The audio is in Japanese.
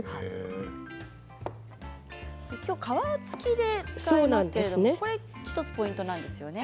きょうは皮付きで使いますけれどもこれが１つポイントなんですよね。